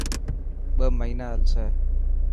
ٻه مهنا هلسي.